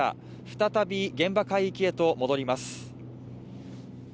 再び現場海域へと戻ります。